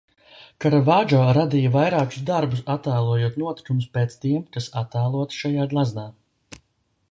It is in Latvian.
Karavadžo radīja vairākus darbus, attēlojot notikumus pēc tiem, kas attēloti šajā gleznā.